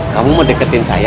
kamu mau deketin saya